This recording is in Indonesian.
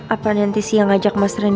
apa nanti siang ajak mas rendilan